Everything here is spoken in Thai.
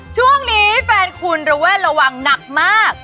ช่วงนี้แฟนคุณระแวดระวังหนักมาก